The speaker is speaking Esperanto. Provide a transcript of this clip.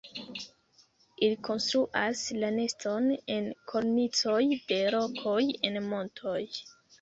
Ili konstruas la neston en kornicoj de rokoj en montoj.